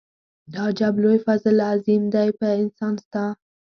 دا عجب لوی فضل عظيم دی په انسان ستا.